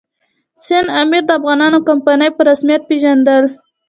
سند امیر د افغانانو واکمني په رسمیت پېژندل.